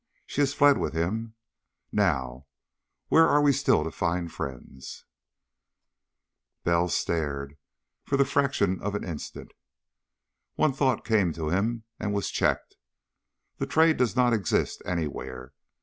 She has fled with him. Now where are we still to find friends?" Bell stared, for the fraction of an instant. One thought came to him, and was checked. The Trade does not exist, anywhere.